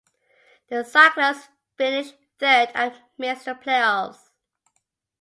The Cyclones finished third and missed the playoffs.